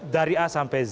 dari a sampai z